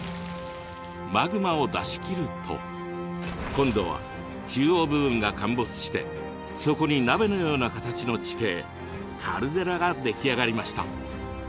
マグマを出しきると今度は中央部分が陥没してそこに鍋のような形の地形カルデラが出来上がりました。